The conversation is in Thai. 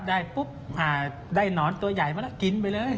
ได้ปุ๊บได้หนอนตัวใหญ่มาแล้วกินไปเลย